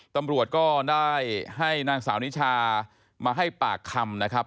ตำรวจก็ได้ให้นางสาวนิชามาให้ปากคำนะครับ